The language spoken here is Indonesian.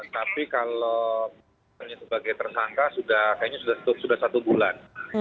tapi kalau sebagai tersangka kayaknya sudah satu bulan